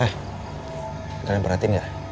eh kalian perhatiin gak